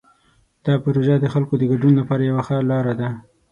دا پروژه د خلکو د ګډون لپاره یوه ښه لاره ده.